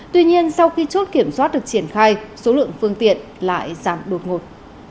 tuy nhiên sau khi chốt kiểm soát được triển khai số lượng phương tiện lại giảm đột ngột